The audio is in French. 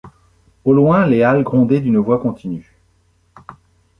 Au loin, les Halles grondaient, d’une voix continue.